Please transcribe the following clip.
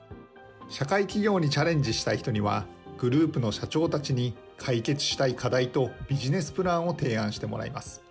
社会起業にチャレンジしたい人には、グループの社長たちに、解決したい課題とビジネスプランを提案してもらいます。